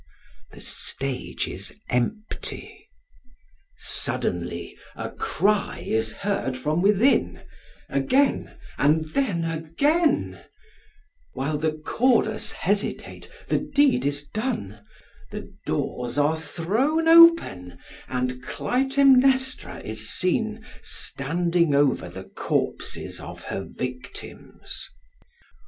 The stage is empty. Suddenly a cry is heard from within; again, and then again; while the chorus hesitate the deed is done; the doors are thrown open, and Clytemnestra is seen standing over the corpses of her victims.